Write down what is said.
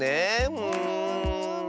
うん。